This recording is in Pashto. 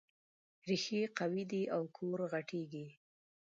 ريښې قوي دي او کور غټېږي.